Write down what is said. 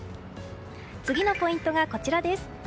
次のポイントはこちらです。